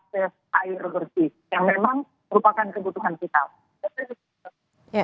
kami juga berharap bahwa kita bisa berhasil mencapai kesempatan terhadap aktivitas yang memang merupakan kebutuhan kita